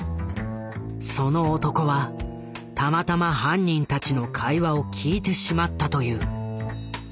その男はたまたま犯人たちの会話を聞いてしまったという。